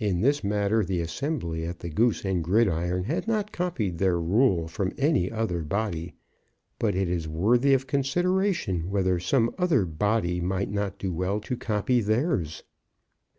In this matter the assembly at the "Goose and Gridiron" had not copied their rule from any other Body. But it is worthy of consideration whether some other Body might not do well to copy theirs.